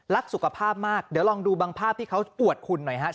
สุขภาพมากเดี๋ยวลองดูบางภาพที่เขาอวดหุ่นหน่อยครับ